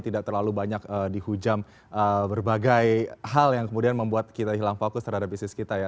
tidak terlalu banyak dihujam berbagai hal yang kemudian membuat kita hilang fokus terhadap bisnis kita ya